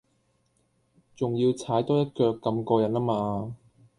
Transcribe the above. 仲要踩多一腳咁過癮呀嗎